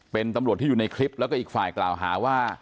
เป็นตำรวจที่อยู่ในคลิปแล้วก็อีกฝ่ายกล่าวหาว่า